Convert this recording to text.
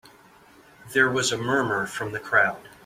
There was a murmur from the crowd.